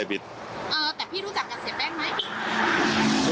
แต่พี่รู้จักกับเสียแป้งไหม